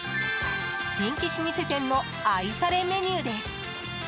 人気老舗店の愛されメニューです。